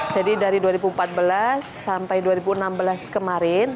jadi dari dua ribu empat belas sampai dua ribu enam belas kemarin